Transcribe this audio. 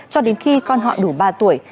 cho đến khi con họ đủ ba tuổi